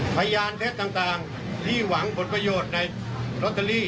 พยานเท็จต่างที่หวังผลประโยชน์ในลอตเตอรี่